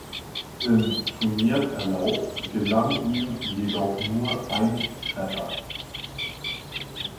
Im Turnierverlauf gelang ihm jedoch nur ein Treffer.